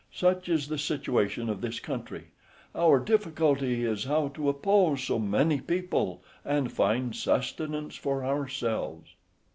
Such is the situation of this country; our difficulty is how to oppose so many people, and find sustenance for ourselves."